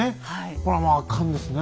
これはまあ圧巻ですね。